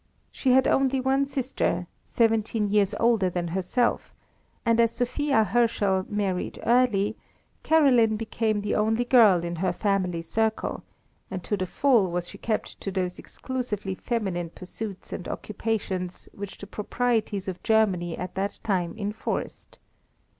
She had only one sister, seventeen years older than herself; and as Sophia Herschel married early, Caroline became the only girl in her family circle, and to the full was she kept to those exclusively feminine pursuits and occupations which the proprieties of Germany at that time enforced.